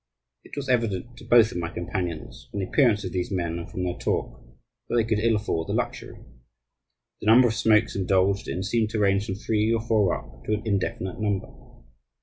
It was evident to both of my companions, from the appearance of these men and from their talk, that they could ill afford the luxury. The number of smokes indulged in seemed to range from three or four up to an indefinite number.